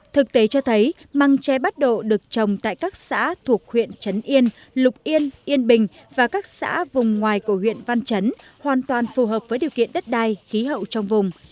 thực tế cho thấy măng tre bát độ được trồng tại các xã thuộc huyện trấn yên lục yên yên bình và các xã vùng ngoài của huyện văn chấn hoàn toàn phù hợp với điều kiện đất đai khí hậu trong vùng